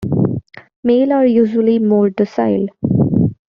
Male are usually more docile.